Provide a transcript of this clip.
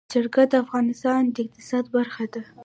چرګان د افغانستان د اقتصاد برخه ده.